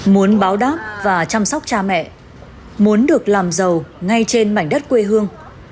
muốn báo đáp và chăm sóc cha mẹ muốn được làm giàu ngay trên mảnh đất quê hương